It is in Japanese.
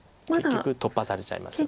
結局突破されちゃいます。